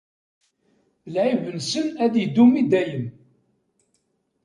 Lɛiqab-nsen ad idum i dayem.